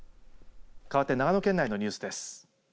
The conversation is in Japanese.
かわって長野県内のニュースです。